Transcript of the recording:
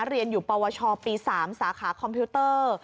เรียนอยู่ปวชปี๓สาขาคอมพิวเตอร์